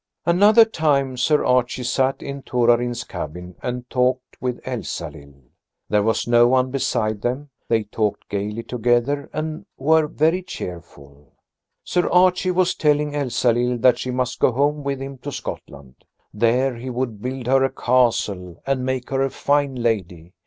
II Another time Sir Archie sat in Torarin's cabin and talked with Elsalill. There was no one beside them; they talked gaily together and were very cheerful. Sir Archie was telling Elsalill that she must go home with him to Scotland. There he would build her a castle and make her a fine lady.